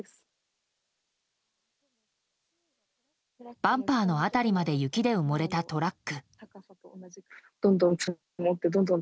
バンパーの辺りまで雪で埋もれたトラック。